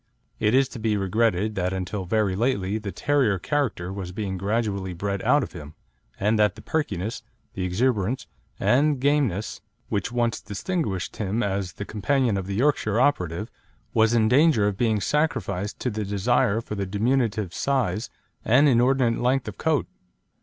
It is to be regretted that until very lately the terrier character was being gradually bred out of him, and that the perkiness, the exuberance and gameness which once distinguished him as the companion of the Yorkshire operative, was in danger of being sacrificed to the desire for diminutive size and inordinate length of coat.